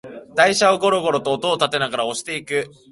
台車をゴロゴロと音をたてながら押していく